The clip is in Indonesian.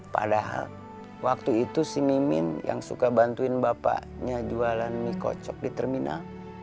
padahal waktu itu si mimin yang suka bantuin bapaknya jualan mie kocok di terminal